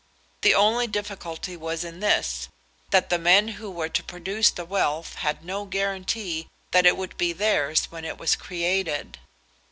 The only difficulty was in this, that the men who were to produce the wealth had no guarantee that it would be theirs when it was created.